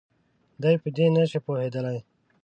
دی په دې نه شي پوهېدلی.